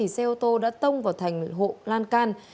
xe ô tô đã tông vào thành hộ lan can